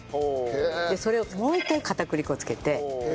それをもう一回片栗粉つけて。